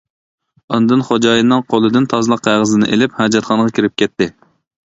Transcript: ئاندىن خوجايىننىڭ قولىدىن تازىلىق قەغىزىنى ئېلىپ ھاجەتخانىغا كىرىپ كەتتى.